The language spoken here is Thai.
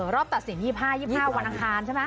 รอบตัดสิน๒๕๒๕วันอังคารใช่ไหม